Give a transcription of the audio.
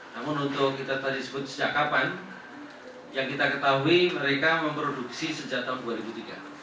namun untuk kita tadi sebut sejak kapan yang kita ketahui mereka memproduksi sejak tahun dua ribu tiga